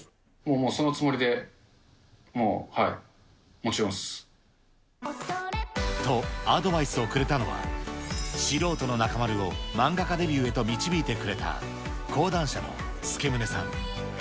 もうそのつもりで、もうはい、と、アドバイスをくれたのは、素人の中丸を漫画家デビューへと導いてくれた講談社の助宗さん。